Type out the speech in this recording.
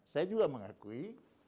saya juga mengakui